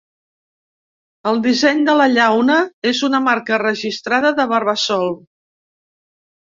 El disseny de la llauna es una marca registrada de Barbasol.